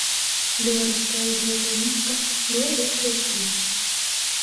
Беларуская біятланістка была лепшай ў спрынце.